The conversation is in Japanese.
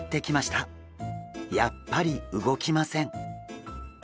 やっぱり動きません！